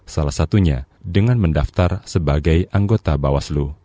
salah satunya dengan mendaftar sebagai anggota bawaslu